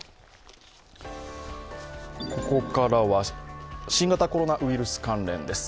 ここからは新型コロナウイルス関連です。